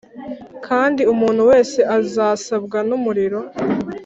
Kandi umuntu wese azasabwa n umuriro